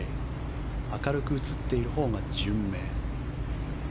明るく映っているほうが順目。